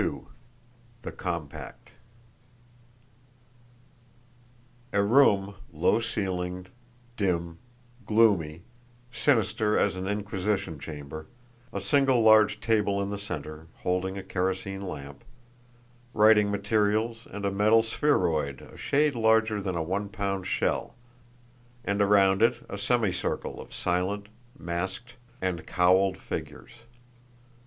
XXII THE COMPACT A room, low ceilinged, dim, gloomy, sinister as an inquisition chamber; a single large table in the center, holding a kerosene lamp, writing materials and a metal spheroid a shade larger than a one pound shell; and around it a semicircle of silent, masked and cowled figures.